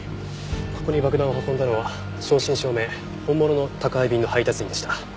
ここに爆弾を運んだのは正真正銘本物の宅配便の配達員でした。